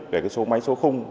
về cái máy số khung